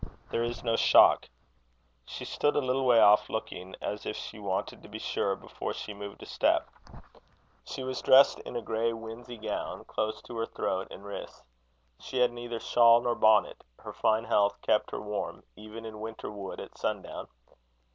there is no shock. She stood a little way off, looking as if she wanted to be sure before she moved a step. She was dressed in a grey winsey gown, close to her throat and wrists. She had neither shawl nor bonnet. Her fine health kept her warm, even in a winter wood at sun down.